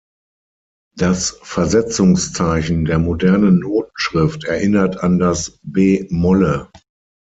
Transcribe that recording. Das Versetzungszeichen der modernen Notenschrift erinnert an das "b molle".